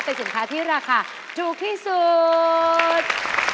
เป็นสินค้าที่ราคาถูกที่สุด